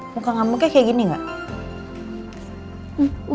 muka ngamuknya kayak gini gak